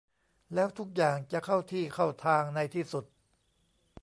แล้วทุกอย่างจะเข้าที่เข้าทางในที่สุด